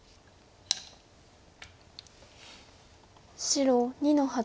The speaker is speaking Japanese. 白２の八。